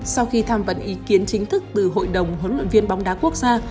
sau khi tham vấn ý kiến chính thức từ hội đồng huấn luyện viên bóng đá quốc gia